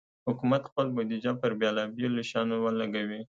حکومت خپل بودیجه پر بېلابېلو شیانو ولګوي.